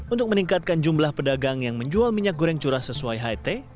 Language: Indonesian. untuk meningkatkan jumlah pedagang yang menjual minyak goreng curah sesuai het